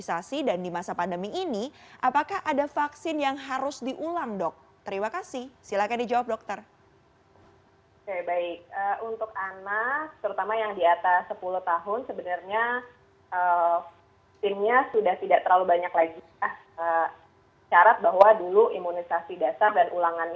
vaksin influenza ini fungsinya bukan untuk mencegah covid tapi untuk mencegah virus influenza